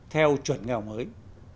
theo chuẩn nghèo mới